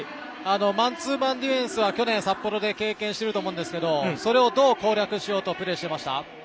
マンツーマンディフェンスは去年、札幌で経験していると思いますがそれをどう攻略しようとプレーしましたか？